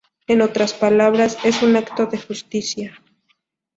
En otras palabras, es un acto de justicia.